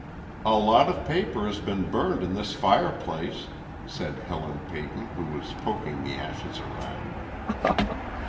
"A lot of paper has been burned in this fireplace," said Helen Peyton who was poking the ashes around.